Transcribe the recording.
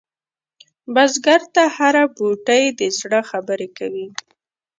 بزګر ته هره بوټۍ د زړه خبره کوي